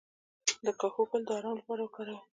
د کاهو ګل د ارام لپاره وکاروئ